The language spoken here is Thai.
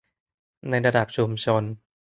ในระดับชุมชน